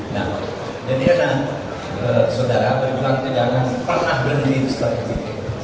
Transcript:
nah jadi saudara berjualan ke jenderal pernah berdiri seperti ini